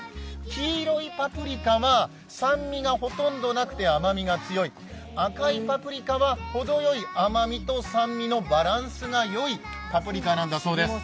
黄色いパプリカは酸味がほとんどなくて甘みが強い、赤いパプリカは程良い甘みと酸味のバランスがよいパプリカなんだそうです。